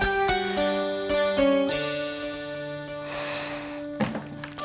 kamu mau ke rumah